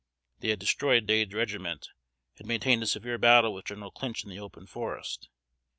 They had destroyed Dade's regiment; had maintained a severe battle with General Clinch in the open forest.